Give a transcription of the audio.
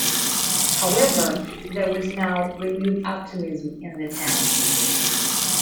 However, there was now renewed optimism in the town.